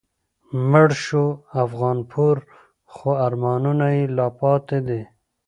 مړ شو افغانپور خو آرمانونه یې لا پاتی دي